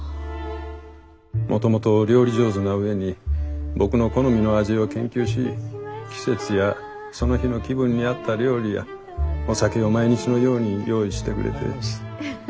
もともと料理上手なうえに僕の好みの味を研究し季節やその日の気分に合った料理やお酒を毎日のように用意してくれて。